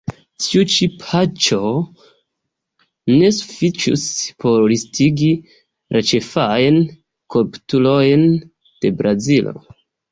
Tiu ĉi paĝo ne sufiĉus por listigi la ĉefajn koruptulojn de Brazilo.